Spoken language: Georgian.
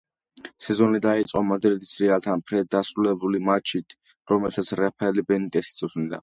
სეზონი დაიწყო მადრიდის „რეალთან“ ფრედ დასრულებული მატჩით, რომელსაც რაფაელ ბენიტესი წვრთნიდა.